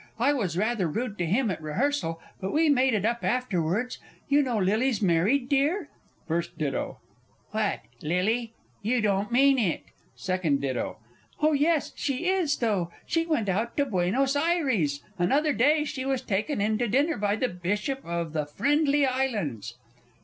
I was rather rude to him at rehearsal, but we made it up afterwards. You know Lily's married, dear? FIRST DITTO. What Lily? You don't mean it! SECOND DITTO. Oh, yes, she is, though. She went out to Buenos Ayres, and the other day she was taken in to dinner by the Bishop of the Friendly Islands.